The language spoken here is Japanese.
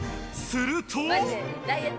すると。